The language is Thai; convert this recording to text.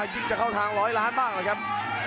ยิ่งจะเข้าทางร้อยล้านบ้างแหละครับ